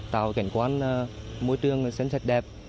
tạo cảnh quan môi trường sánh sạch đẹp